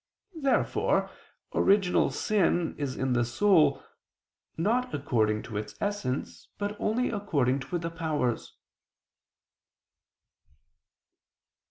Therefore original sin is in the soul, not according to its essence, but only according to the powers.